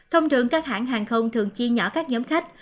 thông thường các hãng hàng không thường chia nhỏ các nhóm khách